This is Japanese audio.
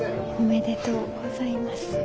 おめでとうございます。